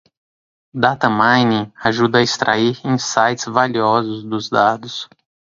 Data Mining ajuda a extrair insights valiosos dos dados.